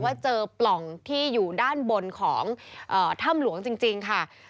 ว่าเจอปล่องที่อยู่ด้านบนของถ้ำหลวงจริงค่ะ